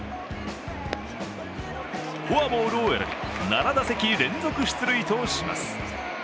フォアボールを選び、７打席連続出塁とします。